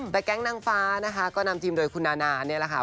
แต่แก๊งนางฟ้าก็นำทีมโดยคุณนาแล้วนะคะ